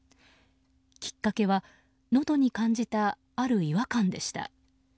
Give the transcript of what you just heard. きっかけは、のどに感じたある違和感でした。